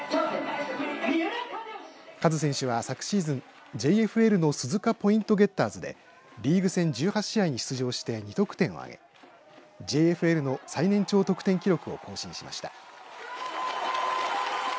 カズ選手は昨シーズンＪＦＬの鈴鹿ポイントゲッターズでリーグ戦１８試合に出場して２得点を挙げＪＦＬの最年長得点記録を更新しました。